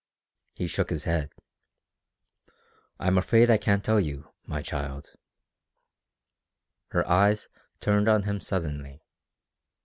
He shook his head. "I'm afraid I can't tell you, my child." Her eyes turned on him suddenly.